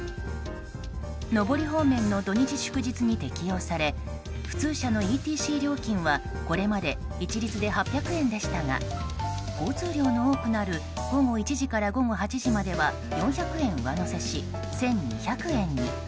上り方面の土日祝日に適用され普通車のＥＴＣ料金はこれまで一律で８００円でしたが交通量の多くなる午後１時から午後８時までは４００円上乗せし１２００円に。